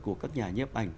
của các nhà nhếp ảnh